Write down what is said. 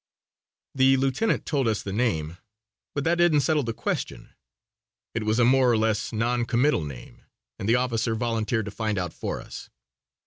The lieutenant told us the name, but that didn't settle the question. It was a more or less non committal name and the officer volunteered to find out for us.